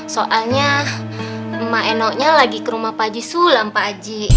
soalnya maenoknya lagi ke rumah pakcik sulam pakcik